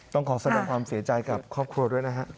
ต้องขอแสดงความเสียใจกับครอบครัวด้วยนะฮะ